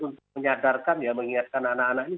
untuk menyadarkan ya mengingatkan anak anak ini